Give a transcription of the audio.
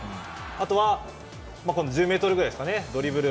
あとは１０ｍぐらいドリブル。